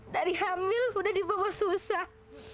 dari hamil sudah di bawah susah